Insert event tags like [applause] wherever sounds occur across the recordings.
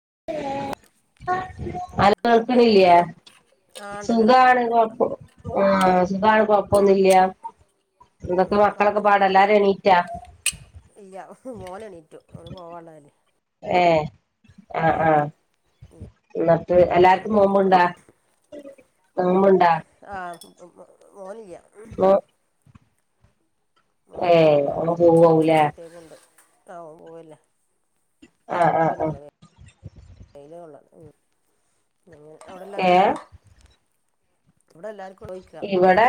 [unintelligible] ആ എന്തൊക്കെ വിവരങ്ങള് ആണ്ട് കേൾക്കാണ്ട് കൊഴപ്പൊന്നില്ലസുഖണ് ഇപ്പൊ കേൾക്കാണ്ട് കുഴപ്പമില്ല ഉം എന്തൊക്കെ മക്കളെ മക്കളൊക്കെ ചായ പാട് എല്ലാരും എണീറ്റാ ഇല്ല മോനെ എണീറ്റു ഒന്ന് പോവാ ഉള്ളതല്ലേ ഏഹ ആ ആഹ ഉം എന്ന എല്ലാവർക്കും നോമ്പുണ്ടോ മറ്റേ നോമ്പുണ്ടാ ആ [unintelligible] ഓ അങ്ങ് മോനിക്കില്ലഎനിക്കും പോവാവൂലേ പെൺകുട്ടികൾക്ക് ഉണ്ട് അവൻപോവല്ലേ [unintelligible] അ ആഹ് ആഹ് ആഹ് അവിടെ എല്ലാവർക്കും ഉണ്ടാ ഏഹ് ഇവിടെ എല്ലർക്കും ഇവിടെ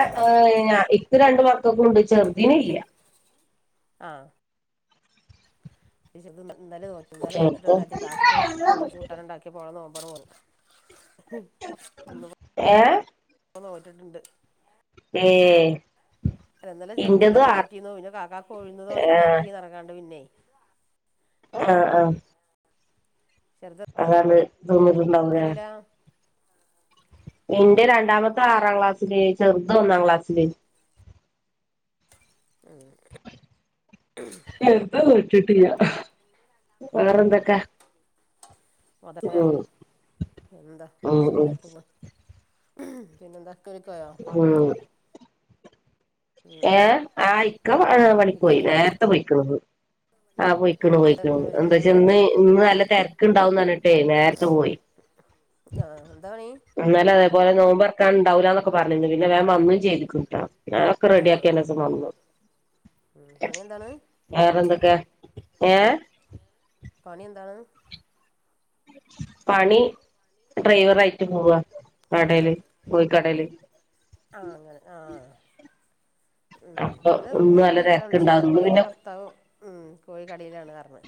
രണ്ടമക്കൾക്കും ഉണ്ട് ചെർ തിനില്ല ആ ചെറുത് [inaudible] ഇന്ന് എ നോറ്റിട്ടുണ്ട് ഐ ഇന്നലെചെറുത് നോറ്റിന്നെ കാക്കക്ക് ഉഴന്ന് ദോശ ആഹ് ഉണ്ടാക്കീ പിന്നെ ആ ഉം ആ ചെറുത് അതാണ് [inaudible] എത്രയിലാ എന്റെ രണ്ടാമത്തെ ആറാം ക്ലാസ്സില് ചെറുത് ഒന്നാം ക്ലാസ്സില് [unintelligible] [inaudible] വേറെന്തൊക്കെ [unintelligible] ഉം എന്താ ഉം ഉം സുഖായിട്ട് [inaudible] പിന്നെന്താ [inaudible] ഉം ഉം ഏ ആ ഇക്ക ആ ഇക്കാക്കെന്താ പണിക്ക് ഇക്ക പോയി ജോലിക്ക് പോ നേരത്തെ പോയിക്കണ് ആഹ് ഉം പോയിക്കണു ഇക്കാടെ പോൊയിക്കണ ജോലി എന്താ വച്ച എന്താണ് ഇന്ന് ഇന്ന് നല്ല തിരക്ക്ണ്ടാവന്ന്ഞ്ഞിട്ടേ നേരത്തെ പോയി ആ എന്തണീ അതുപോലെ നോമ്പറക്കാൻ ഉണ്ടാവില്ല എന്നൊക്കെ [unintelligible] റെഡി ആഹ് ആഹ് ആാക്കിയാനക്ക വന്നു ഉം പണി എന്താണ് വേറെ എന്തൊക്കെ ഏ പണ ഉന്ത ആ പണി ഡ്രൈവർ ആയിട്ട് പോവ കട കോഴി കടയിൽ ആ അങ്ങനെ ആ അപ്പൊ ഇന്ന് നല്ല അപ്പൊ തിരക്കുണ്ടാന്ന് അയിന്റെ പിന്നെ ഭർത്താവ് ഉം കോഴിക്കടയിലാണ്പറഞ്ഞു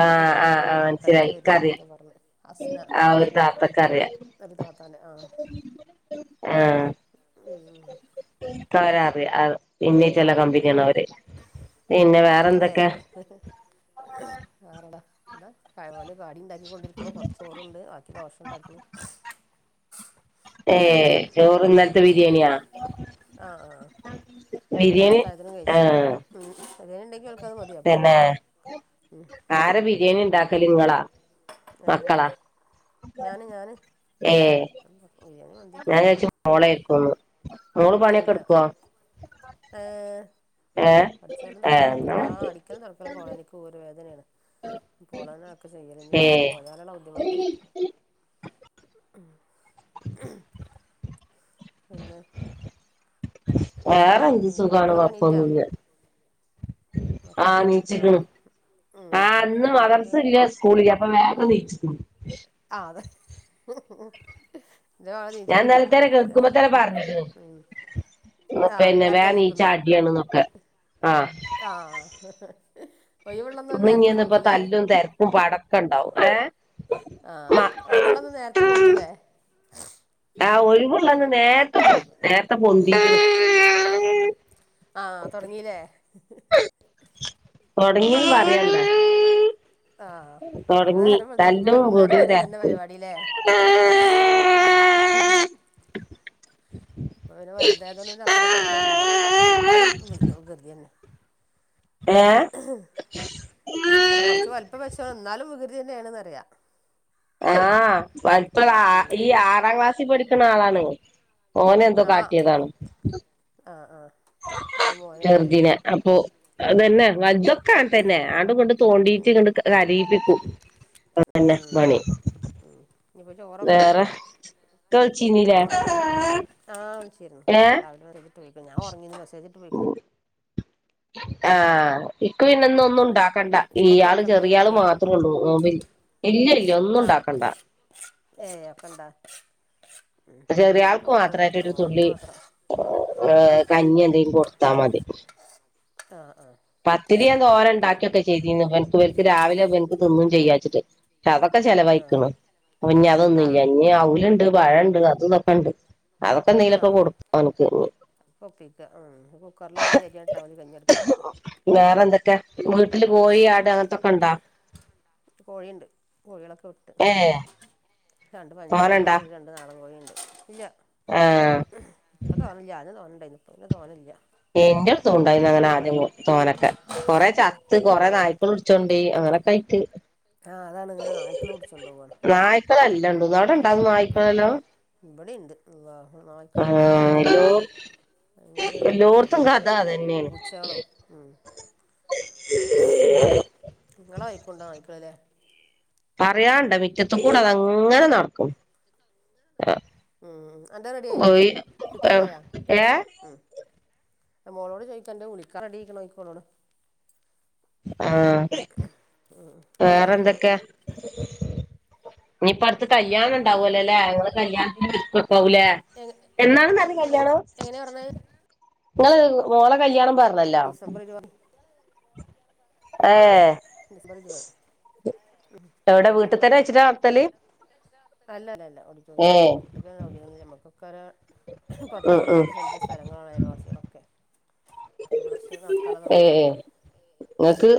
ആ ആ ആ പോവും പത്തരക്കെ മനസ്സിലായി വരുള്ളൂ ഇക്കറിയാ എന്നൊക്കെ പറഞ്ഞ അസ്ന ആ ഒരു താത്തക്കറിയാ ഒരു താത്താന്നെ ആ ആ ഉം ക്കവരെ അറിയ ഇന്നി ചില കമ്പനിയാണ് അവര് പിന്നെ വേറെ എന്തൊക്കെയാ ആരട ന്താ [unintelligible] കടി ഇണ്ടാക്കിക്കൊണ്ടിരിക്കണു കൊറച്ച് ചോറെണ്ട് ബാക്കി ദോഷ ഇണ്ടാക്കണ് ഏ ചോറ് ഇന്നലത്തെ ബിരിയാണിയാ ആ ആഹ് ആ അതന്നെ ബിരിയാണി അത്തായത്തിനും കഴിച്ചേ ആഹ് ഉം ബിരിയാണിണ്ടെങ്കി അവൾക്കത് മതി എപ്പൊ പിന്നെ കൊടുത്താലും ഉം ആരാ ബിരിയാണി ഇണ്ടാക്കല് നിങ്ങളാ ഞാന് ഞാന് ഞാന് ഏഹ് ബിരിയാണി മന്തിയൊക്കെ ഞാൻ ഉണ്ടാക്കും വിചാരിച്ച് മോള് ആയിരിക്കുന്ന് മോള് പണിയൊക്കെ എടുക്കുവൊ ആ അടിച്ചു വാരലും ഏഹ് തൊടക്കലും ഒക്കെ എന്നാ ഓള ആ മതി അടിക്കലും തൊടക്കലും ഒക്കെ ഓളന്നെ എനിക്ക് ഓര് വേദനയാണ് ഇപ്പോളന്നെ ഒക്കെ ചെയ്യലഞ്ഞെ ഇന്നിപ്പോള് ഏഹ് പോയാലെള്ള ബുദ്ധിമുട്ട് പിന്നെ വേറെന്ത്‌ വേറെന്താ സുഖാണ് മക്കളൊക്കെ എണീറ്റോ കൊഴപ്പൊന്നില്ല ആ മക്കളൊക്കെ എണീറ്റോ നീച്ചിക്കണ് ഉം ആ എന്താ ഇന്ന് കടി മദ്രസ ഉണ്ടാക്കിയെ ഇല്ല സ്കൂളില് അപ്പൊ വേഗം നീച്ചിക്കണ് ആ അതെ [unintelligible] ഞാൻ നീച്ചിട്ടില്ല ഇന്നലത്തേനെ കേൾക്കുമ്പോ തന്നെ പറഞ്ഞ്ക്ക്ണ് പിന്നെ വേറെ നീച്ചാടിയാണ്ന്നൊക്കെ ആ [unintelligible] ഓല് നേരത്തെ ഒന്നിങ്ങന് ഇപ്പ പൊന്തുല്ലേ തല്ലും തിരക്കും പടക്കെ ഇണ്ടാവും ഏ ആ ഒഴിവിള്ള അന്ന് നേരത്തെ പൊന്തൂല്ലേ ആ ഒഴിവിള്ളന്ന് നേരത്തെ പോ നേരത്തെ പൊന്തി ആ തൊടങ്ങീല്ലേ തൊടങ്ങീന്ന് പറയല്ലേ ആ തൊടങ്ങി തല്ലും കൂടി [unintelligible] ഉം ഇപ്പൊ അങ്ങനെ വലുതായതൊണ്ട് അത്ര തന്നാണ്ട ഇല്ല എന്നാലും വി വികൃതി തന്നെ ഏ ഇതന്നേണന്നറിയാം ആഹ് വലിപ്പള്ള അ ഈ ആറാം ക്ലാസ്സിൽ പഠിക്കണ ആളാണ് ഓനെ എന്തോ ആഹ് കാട്ടിയതാണ് ആഹ് ആഹ് ഒരു മോനല്ലേ ചെർദിനെ അപ്പൊ ഉം അത് ആഹ് ആഹ് തന്നെ വജ്ജൊക്കെ അങ്ങനെ തന്നെ അങ്ങട്ടും ഇങ്ങട്ടും തോണ്ടീട്ട് ഇങ്ങട് കരയിപ്പിക്കും അതന്നെ ഉം പണി ഉ ഇനിപ്പ ചോറക്ക ആക്കണ്ടേ കൾച്ചിനില്ലേ ആ വിളിച്ചിരുന്നു ഇപ്പ രാവിലെ [inaudible] ഞാൻ ഒറങ്ങിന്ന് മെസേജിട്ട് വിളിക്ക് ആ ഇക്ക് പിന്നിന്നു ഒന്നും ഉണ്ടാക് ക്കണ്ട ചോറൊക്കെ ഈയാള് വെക്കണ്ടേ ചെറിയ ആള് ചോദിക്കുക മാത്രുള്ളൂ നോമ്പിൽ ഇല്ല ഇല്ല ഒന്നും ആ ഉണ്ടാക്കണ്ട ഏ അപ്പെണ്ട ചെറിയ ആൾക്ക് മാത്രായിട്ട് ഒരു തുള്ളി മോൻക്ക് മാത്രം കഞ്ഞി എന്തെങ്കിലും കൊടുത്താ മതി ആ ആ പത്തിരി ഞാൻ തോര എപ്പ എണ്ടാക്കിയൊക്കെ ചെയ്തിന്ന് എനക്ക്നിക്ക് രാവിലെ എനിക്ക് തിന്നും ചെയ്യാച്ചിട്ട് അതൊക്കെ ചെലവായിക്കിണ് ഇനി ആ ആ അതൊന്നുംല്ല ഇനി അവലിണ്ട് പഴണ്ട് അതു ഇതൊക്കെ ഇണ്ട് ക്ക ന്തേലൊക്കെ കൊടു അൻക്ക് കൊപ്പിക്ക ഉം കുക്കറില കൂടി അരിട്ടാതി കഞ്ഞികൊട്ക്കാൻ വേറെ എന്തൊക്കെ വീട്ടില് കോഴി ആട് അങ്ങനത്തൊക്കെ ഇണ്ടോ കോഴിയ്ണ്ട് കോഴികളൊക്കെ വിട്ട് ഏ രണ്ട് പഞ്ചായത്ത് കോഴി തോനണ്ടാ ണ്ട് രണ്ട് നാടൻ കോഴി ണ്ട് ഇല്ല ആ ഇപ്പ തോനല്ല ആദ്യം തോന്നണ്ടാനി ഇപ്പ പിന്നെ തോനല്ല എന്റെ ട്ത്തും ഉണ്ടായിന്ന് അങ്ങനെ ആദ്യം തോനൊക്കെ കൊറെ ചത്ത് കൊറെ നായ്ക്കൾ പുടിച്ചോണ്ടോയി അങ്ങനൊക്കെ ആയിട്ട് ആഹ് അതാണ് ഇതിനെ നായ്ക്കൾ പിടിച്ചൊണ്ടു പോകാണ് നായ്ക്കളെല്ലാം ഉണ്ട് അവിടെ ഇണ്ടാവും ഉം നായ്ക്കളെല്ലാം ഇബടിണ്ട് അള്ളാ ആ നായ്ക്കളും കാക്കളും ഭയങ്കര ഒര് ഓർത്തും കഥ അതെന്നെയാണ് നിങ്ങളെ വയിക്കുണ്ട് നായിക്കൾ ല്ലേ പറയണ്ടൊ മിറ്റത്ത് കൂടെ അത അങ്ങനെ നടക്കും ഉം അന്റെ റെഡി ആയില്ലേ [unintelligible] വിളിക്കാനായാ [unintelligible] ഏ മോളോട് ചോയിക്ക എന്റെ ഉളിക്കാൻ റെഡിക്കണോയിക്കോളോട് ആഹ് വേറെന്തൊക്കൊ ഇനിയിപ്പ അട്ത്ത് കല്യാണം കുഴപ്പൊന്നുമില്ല ഇണ്ടാവൂലൊല്ലേ നിങ്ങള് കല്യാണതിന് [inaudible] പോവൂലേ എന്നാണ് ന്നർഞ്ഞെ കല്യാണം എങ്ങനെയാ പറഞ്ഞത് ഇങ്ങള് മോളെ കല്യാണം പറഞ്ഞല്ലോ ഏ ആഹ് ആഹ് ഡിസംബർ ഇരുവ് എവിടെ വീട്ട് തന്നെ വെച്ചിട്ട നടത്തല് അല്ലല്ലല്ല ഏ ഓടിറ്റോറിയത്തിലാ വീട്ടിക്ക് സൗകര്യൊന്നു നമ്മക്ക് കൊറേ പത്ത് ഉം സെന്റ് ഉം അഞ്ച് സെന്റിലെ സ്ഥലങ്ങളാണ് അയൽവാസികളൊക്കെ ഇവിടെ പക്ഷേ നടത്താനുള്ള ഏഹ് സൗകര്യമില്ല നിങ്ങക്ക്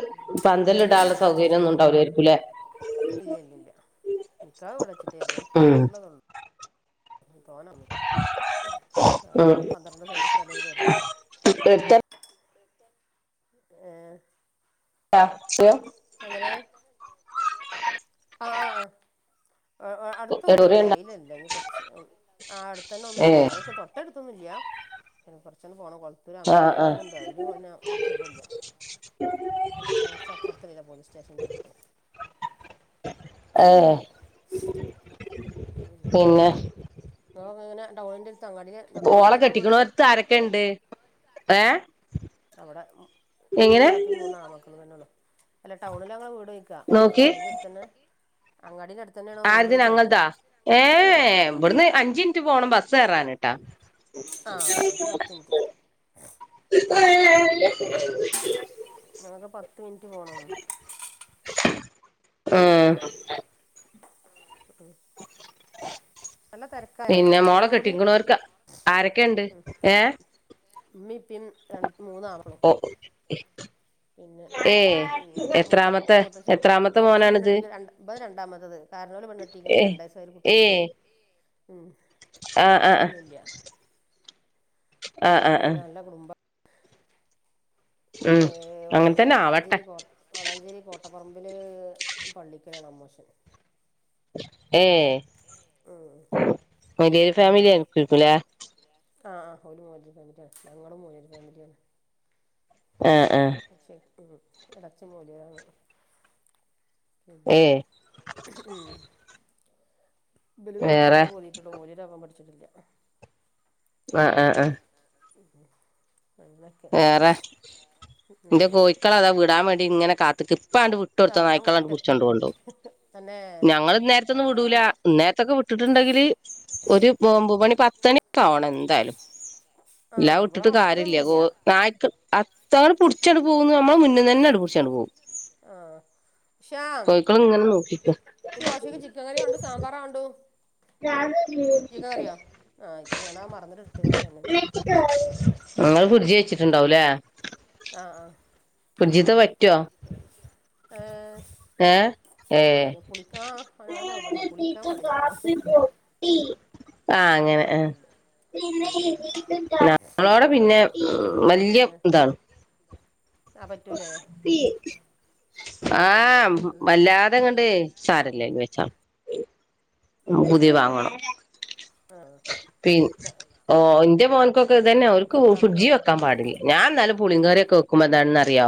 പന്തല് ഇടാള്ള സൗകര്യം ഒന്നും ഇണ്ടാവുല ക്കൂലേ ഇല്ലില്ലില്ല നിക്കാഹ് ഇവിടെവെച്ചിട്ടായിരുന്നു ഉം അതിനുള്ളതൊൾ പോണം ഏ ഉം പന്ത്രണ്ട് സെന്റ് സ്ഥലവും ഒരു പെരയ ഇള്ളെ റ്റ ഏ [inaudible] ആഹ് അ അ അടുത്തൊന്നുണ്ട് അയിലല്ല ഇനി കുറച്ച് ആ അടുത്തന്നെ ഏ ഒന്നുണ്ട് അങ്ങക്ക് തൊട്ടടുത്തൊന്നും ഇല്ല്യ പിന്നെ കൊറച്ചങ്ങ് പോണം കൊളത്തൂര് ആ അങ്ങാടി ആ തന്നെ ഒന്നുണ്ട് അയിന് പിന്നെ ഒരു സുഖല്ല പിന്നെ കൊറച്ചപ്പുറത്ത് ല്ലേ പോലീസ് സ്റ്റേഷന്റെ അടുത്ത് ഏ പിന്നെ ഇങ്ങളൊക്കെങ്ങനെ ഡൗണിന്റെ അട് ഓളെ കെട്ടിക്ക്ണോട്ത്ത് ആരൊക്കെ ണ്ട് ഏ അവിടെ ഉമ്മീ എങ്ങനെ ബാപ്പി മൂന്നാമക്കളും തന്നെള്ളു അല്ല ടൗണിലങ്ങടെ വ് ടൊയ്ക്കാ നോക്കി അങ്ങാടിടെ അട്ത്തന്നെ അങ്ങാടിടട് ആര്ത് ഞങ്ങൾതൊ ആ ഏഹ് ഇവിടുന്ന് അഞ്ചിൻറ്റ് പോണം ബസ് കേറാനിട്ട ആ ഞങ്ങൾക്ക് പത്ത് മിനിറ്റ് ഞങ്ങക്ക് പത്ത് മിൻറ്റ് പോണം മ്മ് ഉം പിന്നെ മോള രണ്ടാളും കൂടി കെട്ടിങ്ങണോർക്ക് ആരൊക്കെയുണ്ട് ഏ ഉമ്മിപ്പിം രണ്ട് മൂന്നാ ആണ് കളും ഓ പിന്നെ ഏ മൂത്ത എത്രാമത്തെ മൂത്തശം എത്രാമത്തെ മൂത്തശം മോനാണിത് പെണ്ണിട്ടിക്ക് രണ്ട് ബെൻ രണ്ടാമത്തത് താ പെണ്ണ് കെട്ടീക്കണ് ഏ രണ്ടയസായ ഒരു ഏ കുട്ടിയുണ്ട് ഉം ആ ആ പെങ്ങമ്മാരൊന്നും ഇല്ല്യ ആ ആ ആ ആ നല്ല കുടുംബ ഉം ഏ അങ്ങനെ വളാഞ്ചേരി തന്നെ ആവട്ടെ വളാഞ്ചേരി കോട്ട് വളാഞ്ചേരി കോട്ട് ട്ടപറമ്പില് പള്ളിക്കലാണ് അമ്മോശൻ ഏ ഉം വലിയ ഫാമിലിയ ആയിരിക്കുംലേ ആ -ആ ഓര് മൂന്നുപേര് ഫാമിലിയാണ് ഞങ്ങളും മൂന്ന് പേര് ഫാമിലിയാണ് ആഹ് ആ പക്ഷേ ഉം അടച്ച മൂലയാണ് പിന്നെ ഏ ഏ ഉം ബലുവിനെ വേറെ കിത്താബ് ഓതീട്ടുണ്ട് ഓലീത് ആവാൻ പഠിച്ചിട്ടില്ല ആഹ് -ആഹ് -ആഹ് അന്നൊക്കെ എന്റെ കോഴിക്കള അതാ വിടാൻ വേണ്ടി ഇങ്ങനെ കാത്ത് ഇക്ക് ഇപ്പ അണ്ട് വിട്ടൊടുത്ത ആഹ് ഞാൻ നായ്ക്കളണ്ട് വിട്ട് പിടിച്ചോണ്ട് കൊണ്ട് പോവും തന്നെ ഞങ്ങൾ ഇന്നേരത്തൊന്നും വിടൂല ആഹ് ഇന്നേരത്തൊക്കെ വിട്ടുട്ടുണ്ടെങ്കില് ഒരു ഒമ്പ മണി പത് ട്ടോണം എന്തായാലും എല്ലാ ആഹ് ഇവിടെ വിട്ടിട്ട് കാരില്ല അത്രൊന്നുല്ല ഓ ആ് അവ പിടിച്ചട്ട പോകുന്നു നമ്മള് മുന്ന തന്നെടി പിടിച്ചോണ്ട് പോകും ആഹ ശ്യാം കോഴിക്കള് ഇങ്ങനെ നോക്കിക്ക ഇ ദോഷക്ക് ചിക്കൻ കറിയ ഉണ്ടണ്ട് സാമ്പാറാ ഉണ്ടു ആഹ് ആയിക്കോട്ടെ ഞാനത് മറന്നിട്ട് എടുത്ത്ക്ക്ണ് അതന്നെ ങ്ങ വിജയിച്ചിട്ടുണ്ടാവലേ ആഹ ആഹ് പുജിത വ ആഏ ഏ ഏ ഓന് അങ്ങനത്തെ കുഴപ്പൊന്നുല്ല പുളിക്കാൻ പാടില്ലാന്നൊള്ളു ആഹ അല്ലാതെ അങ്ങനെ ആ കുഴപ്പൊന്നുല്ല ഉം ഉം ഞങ്ങളോടെ പിന്നെ വല്ിയ ഇതാണ് താണ് ആഹ ആഹ് വല്ലാതെങ്ങണ്ട് സാരല്ലേ എ വെച്ച പുതിയ വാങ്ങണം ആഹ് പി നെയ്ക്ക ഇന്ത്യ പോൻക്കൊക്കെ തന്നെ അവർക്ക് ഇക്കാക്കും ഫ്രി്ജ വെക്കാൻ പാടില്ല ഞാൻ എന്നാലും പുളി കറൊക്കെക്കുമ്പോൾ എാണെന്ന്റിയോ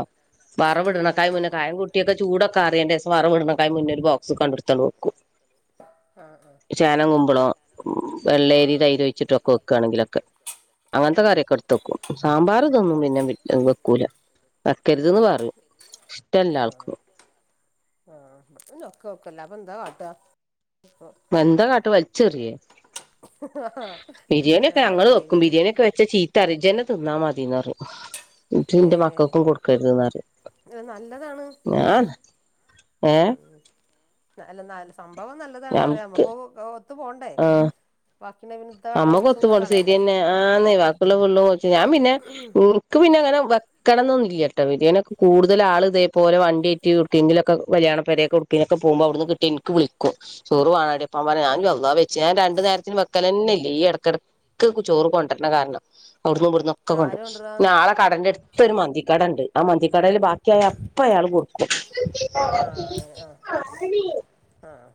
വാറ ഉം വിടണക്കായ മുന്നേ കായംക കുട്ടിയൊക്കെ ചൂടൊക്കെ അറിയേണ്ടേ വറവവി ഇടുന്നക്ക മുന്നൊരു ബോക്സ് കണ്ടിടുത്തോണ്ട് നോക്കും ആഹ് ആഹ് ചേനം കുമ്പോളോ ആഹ് വെള്ളേരി ആഹ് തൈര് ആഹ് വഴച്ചിട്ടുംൊക്കെ വെക്കയാണെങ്കിലൊക്കെ അങ്ങനത്തെ ഉം കാര്യൊക്കെ എടുത്ത വക്കും സാമ്പാർ ഇതൊന്നും പിന്നെ വെക്കൂല വക്കരുത്ന്ന് പറയും ഇഷ്ടല്ല ആൾക്ക ആഹ്ൊക്കെ നക്കല്ല അപ്പൊ എന്താ കാാട്ടാ മെന്താ കാട്ട് വലിച്ചെറിയേ ബിരിയാണി ഒക്കെ ഞങ്ങള്ൾ അതന്നെയള്ളത് വെക്കും പിന്നെ ബിരിയാണി ഒക്കെ വെച്ച ചീത്ത അരിജന നാമതിന്നറ് ഇപ്പ എന്റെ ഏഹ് മക്കൾക്കും കൊടുക്കരുത്ന്ന്റി ഞ ഉംല്ല നല്ല സംഭവം നല്ലതാണ് അറിയ ഞമക്ക് നമുക്ക് ത്ത പോണ്ടേ ബാക്കിണ്ട പിന്നെ ഇത്ത കാട്ട് അമ്മ ദിവസം കൊത്തു ഇങ്ങനെ പോോണ്ട കളയണ്ടേ ശരിയന്നെ ആ നെയവാക്കുള്ള പുള്ളും കൊച്ചു ഞാൻ പിന്നെക്ക് പിന്നെ െ വെക്കണംമ എന്നന്നില്ലല്ല കേട്ടോ വിരിയനൊക്കെ കൂടുതൽ ആൾ ഇതേപലെ വണ്ടി അറ്റി കൊടുക്കെങ്കിലൊക്കെ കല്യാണണംരെ കുടുക്കിനൊക്കെ പോക്പോ അവിടുന്ന് കട്ട എനി വിളിക്കും ചോറ്ുാണാടടിപ്പാ പറ ഞാൻാ ആഹ് വെ ഞാ രണ്ട നേരത്തി മക്കല തന്നെല്ലേ ഈ ഇടയ്ക്കിടക്ക് ചോറ് കൊണ്ടരണ കാരണം അവിട നിന്ന്ുംവിടുന്നും ഒക്കെ ആഹ് കൊണ്ടു ആര് കൊണ്ടരാ നാളെടന്റെടു ഇപ്പൊ ഒരു മന്തിക്കട ഉണ്ട് ആ മന്തിക്കടൽ ബാക്കിയായ അപ്പ അയാൾ കൊടുക്കും ആഹ ആ ആഹ്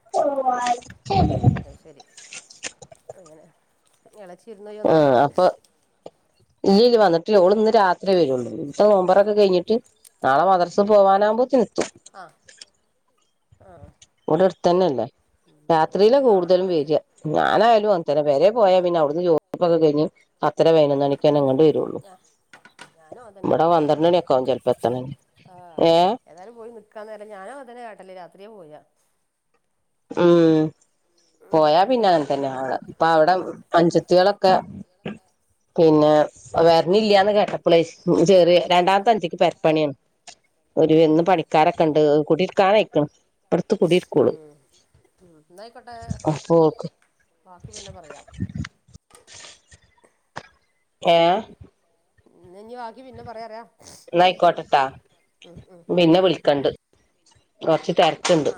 അത് ശരി [unintelligible] അങ്ങനെ ഇളച്ചിവിരുന് പോയെന്നോ ഇല്ല ഇല്ല വന്നിട്ടില്ല ോള് ഇന്ന് രാത്രിേ വരുള്ളൂ ഇവിത്തെ നോമ്പറൊക്കെ കഴിഞ്ഞിട്ട നാളെ മദർസ് പോകാനാവക്പോ തിെത്തും ആഹ ആഹ അല്ല രാത്രിയില ആഹ് ആഹ് കൂടുതലും അത് വരിക ശരി ഞാനാലും അത്ര പേരെ പോയാ പിന്നെ അവിടുന്ന് ജോദിപ്പൊക്കെ കഴിഞ്ഞഞ് അത്ര വേനന്നണിക്കാൻ അങ്ങോേ വരുള്ളു ആഹ് ഞാനും ഇമ്മടെ അന്നര ന എക്കൗ ചലപ്പത്താാനണ്ട് ആഹ ഏതാനും പോയി നിക്കാന്നരല്ല ഞാനും അതനെ ആട്ടല്ലേ രാത്രിയ പോരാ ഉം പോയാ പിന്നെ അങ്ങനെ രാത്രിയത്തെ തന്നെ ഭക്ഷണം അടെ കഴിച്ചിട്ട് ഇപ്പ അവിടെ ഉം അഞ്ചത്തികളൊക്കെ പിന്നെ വേറെന്ന ഇല്ലന്ന് കേട്ടാ പ്ളേ ഉ ചെറിയ രണ്ടാമത്തെഞ്ചിക്ക് പരപ്പണിയാണ് ഒരുന്ന് പണിക്കാരൊക്കെ ഉണ്ട് കൂടി കാണക്കണം പുറത്ത കൂടിരിക്കുള്ളൂ ന്നായിക്കോട്ടെ ഓൾക്ക് ബാക്കി പിന്നെ പറയാം [inaudible] ഏ ഇനി ബാക്കി പിന്നെ പറയാറിയാം ന്നായിക്കോട്ടട്ടാ പിന്നെവിളിക്കണ്ട് കൊറച്ച്തെരക്കിണ്ട് ആ